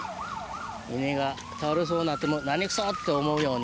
稲が倒れそうになっても何クソ！って思うように。